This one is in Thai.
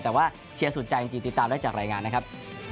แต่ว่าเชียร์สุดใจจริงติดตามได้จากรายงานนะครับ